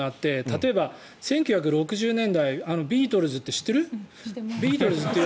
例えば、１９６０年代ビートルズって知ってる？